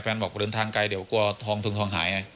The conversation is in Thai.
บอกเดินทางไกลเดี๋ยวกลัวทองถึงทองหายไง